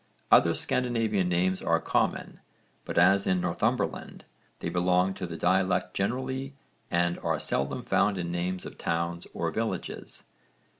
Other Scandinavian names are common, but as in Northumberland they belong to the dialect generally and are seldom found in names of towns or villages.